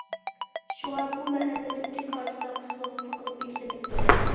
شۇڭا، بۇ مەھەللە تۇنجى كارتا تارقىتىش نۇقتىسى قىلىپ بېكىتىلىپتۇ.